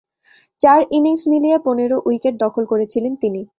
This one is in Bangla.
চার ইনিংস মিলিয়ে পনেরো উইকেট দখল করেছিলেন তিনি।